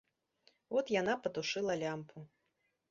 От яна патушыла лямпу.